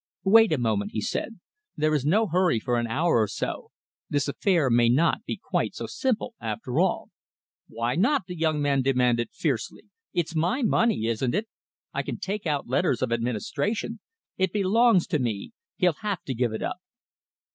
"Wait a moment," he said. "There is no hurry for an hour or so. This affair may not be quite so simple, after all." "Why not?" the young man demanded fiercely. "It's my money, isn't it? I can take out letters of administration. It belongs to me. He'll have to give it up."